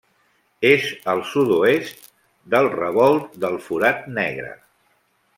És al sud-oest del Revolt del Forat Negre.